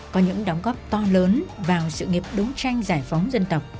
có những đóng góp to lớn vào sự nghiệp đấu tranh giải phóng dân tộc